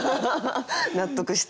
納得した。